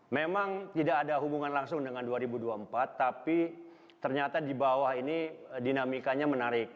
memang tidak ada hubungan langsung dengan dua ribu dua puluh empat tapi ternyata di bawah ini dinamikanya menarik